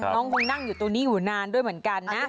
น้องคงนั่งอยู่ตรงนี้อยู่นานด้วยเหมือนกันนะ